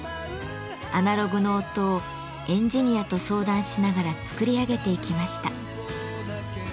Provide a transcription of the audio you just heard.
アナログの音をエンジニアと相談しながら作り上げていきました。